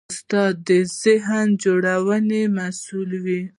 استاد د ذهن جوړونې مسوول وي.